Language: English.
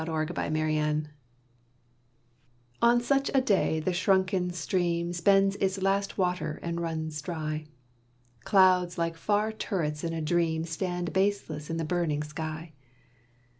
AT THE FERRY On such a day the shrunken stream Spends its last water and runs dry; Clouds like far turrets in a dream Stand baseless in the burning sky.